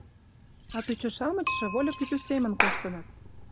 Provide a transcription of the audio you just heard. А пӱчӧ-шамычше вольык кӱтӱ семын коштыныт.